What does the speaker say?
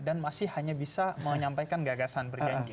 dan masih hanya bisa menyampaikan gagasan berjanji